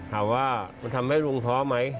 ถามว่ามันทำให้ลุงท้อไหม